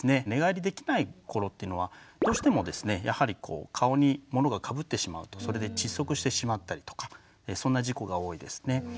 寝返りできない頃っていうのはどうしてもですねやはり顔にものがかぶってしまうとそれで窒息してしまったりとかそんな事故が多いですね。